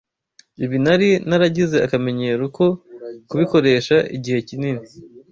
Ibi nari naragize akamenyero ko kubikoresha igihe kinini.